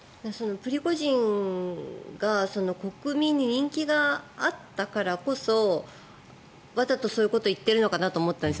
プリゴジンが国民に人気があったからこそわざとそういうことを言っているのかなと思ったんです。